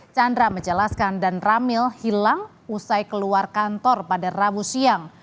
chandra menjelaskan dan ramil hilang usai keluar kantor pada rabu siang